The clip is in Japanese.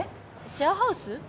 シェアハウス？